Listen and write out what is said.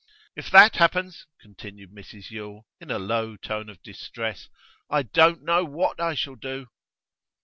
'If that happens,' continued Mrs Yule, in a low tone of distress, 'I don't know what I shall do.